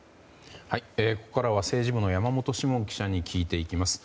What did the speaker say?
ここからは政治部の山本志門記者に聞いていきます。